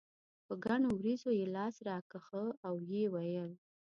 په ګڼو وريځو یې لاس راښکه او یې وویل.